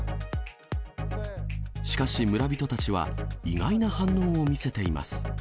しかし、村人たちは意外な反応を見せています。